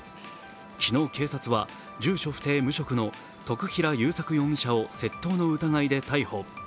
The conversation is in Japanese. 昨日、警察は住所不定・無職の徳平祐索容疑者を窃盗の疑いで逮捕。